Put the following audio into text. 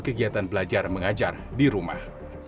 kegiatan belajar mengajar di rumah